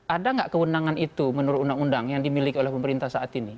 ada nggak kewenangan itu menurut undang undang yang dimiliki oleh pemerintah saat ini